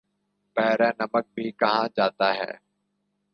بحیرہ نمک بھی کہا جاتا ہے